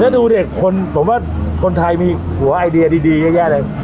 แล้วดูดิคนผมว่าคนไทยมีหัวไอเดียดีเยอะแยะเลย